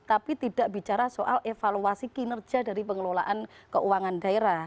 tapi tidak bicara soal evaluasi kinerja dari pengelolaan keuangan daerah